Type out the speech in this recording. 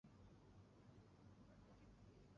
夫妇俩育有两儿一女。